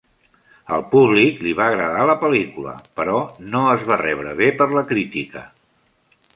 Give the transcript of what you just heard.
Al públic li va agradar la pel·lícula, però no es va rebre bé per la crítica.